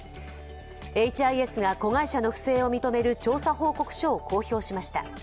エイチ・アイ・エスが子会社の不正を認める調査報告書を公表しました。